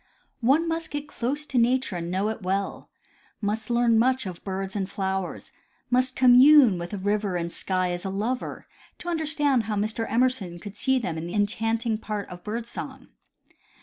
One must get close to nature and know it well ; must learn much of birds and flowers ; must commune Avith river and sky as a lover, to understand how Mr. Emerson could see in them the enchanting part of bird song.